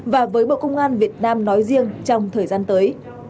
và với bộ công an việt nam nói riêng trong thời gian tới